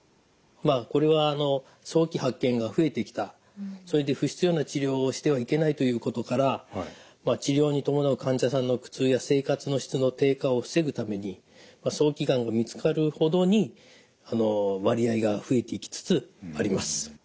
まあこれは早期発見が増えてきたそれで不必要な治療をしてはいけないということから治療に伴う患者さんの苦痛や生活の質の低下を防ぐために早期がんが見つかるほどに割合が増えてきつつあります。